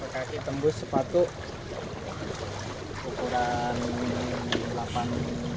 kaki tembus sepatu ukuran delapan